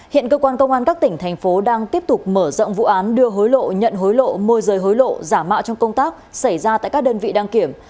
hiện cơ quan công an các tỉnh thành phố đang tiếp tục mở rộng vụ án đưa hối lộ nhận hối lộ môi rời hối lộ giả mạo trong công tác xảy ra tại các đơn vị đăng kiểm